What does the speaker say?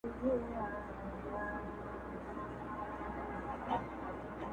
• هغه چي هيڅوک نه لري په دې وطن کي.